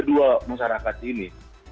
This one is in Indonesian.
kedua masyarakat ini